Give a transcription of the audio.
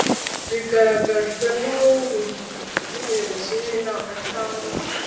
Bigaragajwe n umuyobozi w inama cyangwa